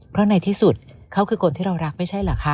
เพราะในที่สุดเขาคือคนที่เรารักไม่ใช่เหรอคะ